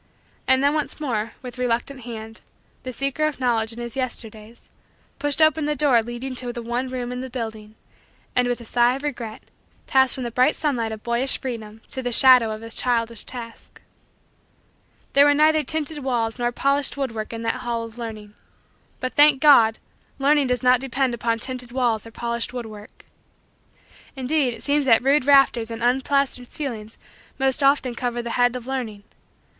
And then once more, with reluctant hand, the seeker of Knowledge, in his Yesterdays, pushed open the door leading to the one room in the building and, with a sigh of regret, passed from the bright sunlight of boyish freedom to the shadow of his childish task. There were neither tinted walls nor polished woodwork in that hall of learning. But, thank God, learning does not depend upon tinted walls or polished woodwork. Indeed it seems that rude rafters and unplastered ceilings most often covers the head of learning.